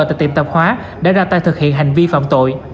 tại tiệm tạp hóa đã ra tay thực hiện hành vi phạm tội